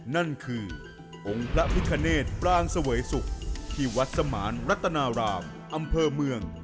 นั่นคือองค์พระพิคเนตปรางเสวยสุขที่วัดสมานรัตนารามอำเภอเมือง